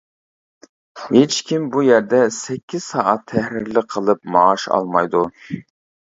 ھېچكىم بۇ يەردە سەككىز سائەت تەھرىرلىك قىلىپ مائاش ئالمايدۇ.